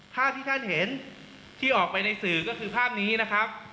ภาพที่ท่านเห็นที่ออกไปในสื่อก็คือภาพนี้นะครับ